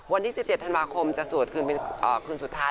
วันที่๑๗ธันวาคมจะสวดคืนสุดท้าย